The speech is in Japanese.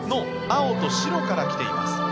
青と白から来ています。